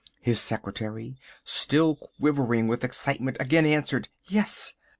His secretary, still quivering with excitement, again answered yes.